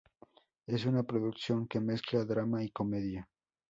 Es una producción que mezcla drama y comedia.